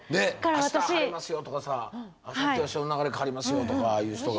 あした晴れますよとかさあさっては潮の流れ変わりますよとか言う人が。